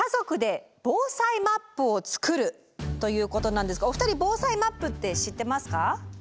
ということなんですがお二人防災マップって知ってますか？